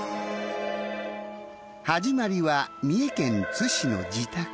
・始まりは三重県津市の自宅。